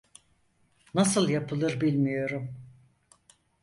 Nasıl yapılır bilmiyorum.